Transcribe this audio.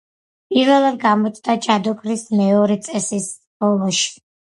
პირველად გამოჩნდა ჯადოქრის მეორე წესის ბოლოში.